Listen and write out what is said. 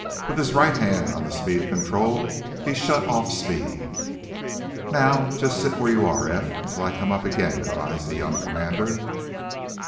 With his right hand on the speed control he shut off speed. "Now, just sit where you are, Eph, until I come up again," advised the young commander.